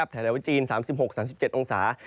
แต่ว่าจีน๓๖๓๗องศา